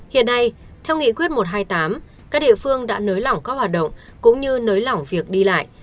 hiện nay theo nghị quyết một trăm hai mươi tám các địa phương đã nới lỏng các hoạt động cũng như nới lỏng việc đi lại